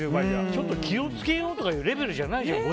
ちょっと気をつけようとかいうレベルじゃないじゃん。